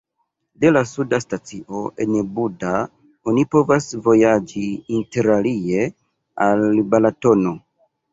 De la suda stacio en Buda oni povas vojaĝi interalie al Balatono.